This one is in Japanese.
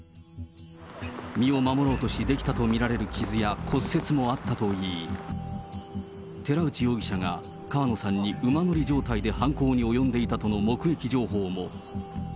身を守ろうとし出来たと見られる傷や骨折もあったといい、寺内容疑者が川野さんに馬乗り状態で犯行に及んでいたとの目撃情報も。